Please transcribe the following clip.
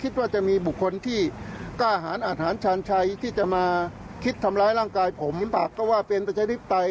ทำร้ายร่างกายผมมีปากก็ว่าเป็นตัวใช้ริปไต